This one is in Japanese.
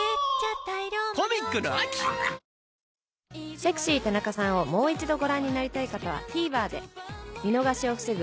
『セクシー田中さん』をもう一度ご覧になりたい方はＴＶｅｒで見逃しを防ぐ